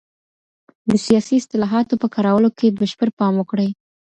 د سياسي اصطلاحاتو په کارولو کي بشپړ پام وکړئ.